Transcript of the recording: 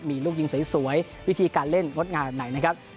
มีลูกยิงสวยวิธีการเล่นงดงามแบบไหนนะครับ